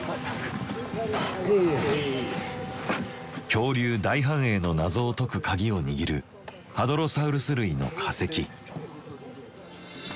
恐竜大繁栄の謎を解く鍵を握るハドロサウルス類の化石。